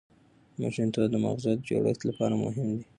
ماشومتوب د ماغزو د جوړښت لپاره مهم دی.